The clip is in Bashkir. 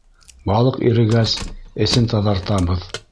Балыҡ ирегәс, эсен таҙартабыҙ.